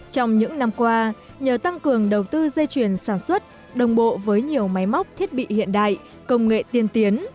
trong những năm qua nhờ tăng cường đầu tư dây chuyền sản xuất đồng bộ với nhiều máy móc thiết bị hiện đại công nghệ tiên tiến